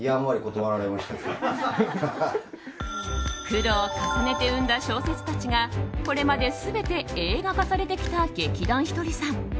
苦労を重ねて生んだ小説たちがこれまで全て映画化されてきた劇団ひとりさん。